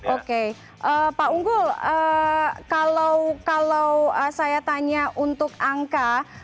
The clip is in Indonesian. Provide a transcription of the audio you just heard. oke pak unggul kalau saya tanya untuk angka